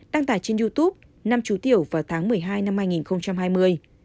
đăng tải trên youtube năm chú tiểu vào tháng một mươi hai năm hai nghìn hai mươi